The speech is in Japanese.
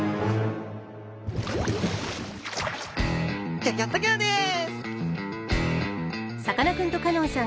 ギョギョッと号です！